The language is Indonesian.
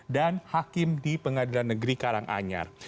dan hakim di pengadilan negeri karanganyar